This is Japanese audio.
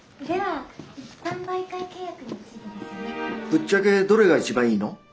ぶっちゃけどれが一番いいの？